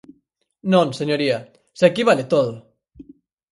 Non, señoría, ¡se aquí vale todo!